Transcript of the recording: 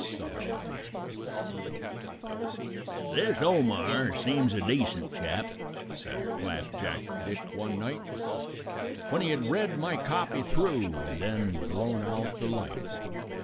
SUTHERLAND "This Omar seems a decent chap," said Flapjack Dick one night, When he had read my copy through and then blown out the light.